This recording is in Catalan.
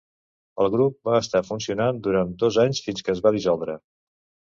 El grup va estar funcionant durant dos d'anys fins que es va dissoldre.